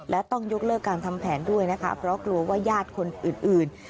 และต้องยกเลิกการทำแผนด้วยนะคะเพราะกลัวว่าญาติคนอื่น